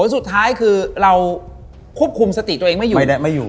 สุดท้ายคือเราควบคุมสติตัวเองไม่อยู่ไม่อยู่